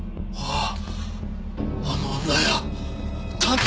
ああ。